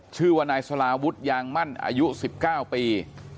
ชื่อว่านายสลาวุฒิยางมั่นอายุ๑๙ปี